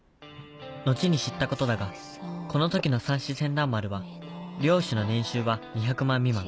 後に知ったことだがこの時のさんし船団丸は漁師の年収は２００万未満